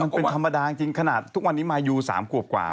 มันเป็นธรรมดาจริงขนาดทุกวันนี้มายู๓ขวบกว่า